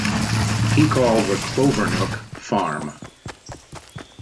He called the Clovernook Farm.